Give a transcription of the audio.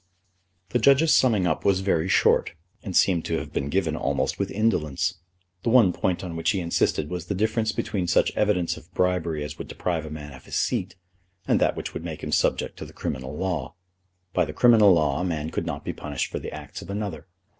The judge's summing up was very short, and seemed to have been given almost with indolence. The one point on which he insisted was the difference between such evidence of bribery as would deprive a man of his seat, and that which would make him subject to the criminal law. By the criminal law a man could not be punished for the acts of another.